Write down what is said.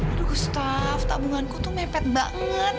aduh gustaf tabunganku tuh mepet banget